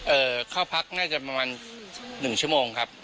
เอ่อเข้าพักน่าจะประมาณ๑ชั่วโมงครับ